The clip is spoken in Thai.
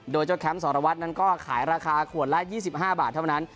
โดยเจ้าแคมป์สารวัตรนั้นก็ขายราคาขวดละ๒๕บาทเท่านั้น